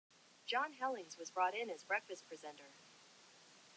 John Hellings was brought in as breakfast presenter.